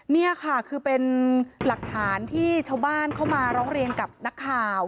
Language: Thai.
นี่ค่ะคือเป็นหลักฐานที่ชาวบ้านเข้ามาร้องเรียนกับนักข่าว